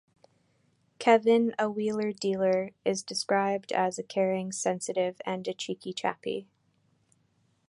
Kevin, a wheeler dealer, is described as caring, sensitive and a cheeky chappy.